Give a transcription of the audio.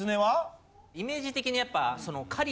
イメージ的にやっぱ。